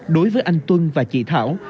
đối với anh tuân và chị thảo